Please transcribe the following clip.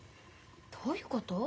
どういうこと？